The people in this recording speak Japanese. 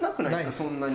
そんなに。